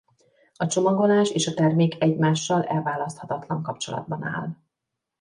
A csomagolás és a termék egymással elválaszthatatlan kapcsolatban áll.